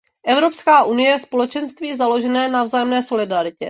Evropská unie je společenství založené na vzájemné solidaritě.